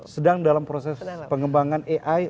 sedang dalam proses pengembangan ai